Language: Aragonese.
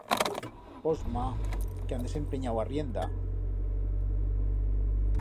Osma, que han desempenyau arrienda!